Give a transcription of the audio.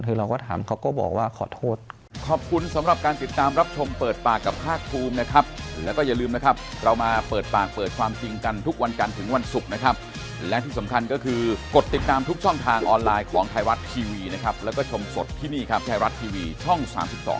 ใช่ครับมันเกิดอะไรขึ้นคือเราก็ถามเขาก็บอกว่าขอโทษ